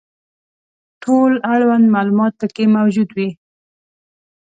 ټول اړوند معلومات پکې موجود وي.